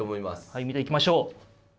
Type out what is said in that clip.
はい見ていきましょう。